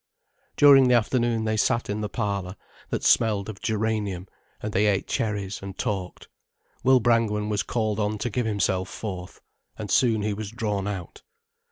During the afternoon they sat in the parlour, that smelled of geranium, and they ate cherries, and talked. Will Brangwen was called on to give himself forth. And soon he was drawn out.